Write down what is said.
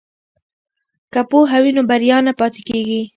که پوهه وي نو بریا نه پاتې کیږي.